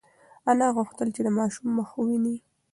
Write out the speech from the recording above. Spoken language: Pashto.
انا غوښتل چې د ماشوم مخ وویني.